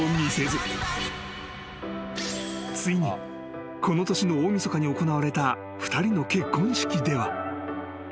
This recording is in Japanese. ［ついにこの年の大晦日に行われた２人の結婚式では］